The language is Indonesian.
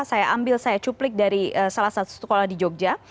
saya ambil saya cuplik dari salah satu sekolah di jogja